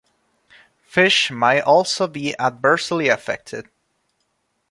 Fish may also be adversely affected.